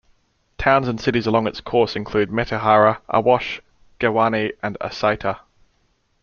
Towns and cities along its course include Metehara, Awash, Gewane and Asaita.